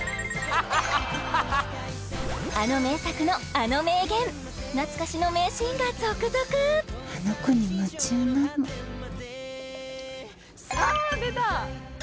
あの名作のあの名言懐かしの名シーンが続々あの子に夢中なのあ出た！